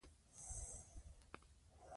د وينې فشار منظم وڅارئ.